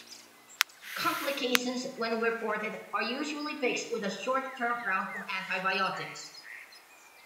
Complications, when reported, are usually fixed with a short-term round of antibiotics.